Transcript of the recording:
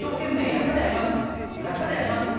やったであります。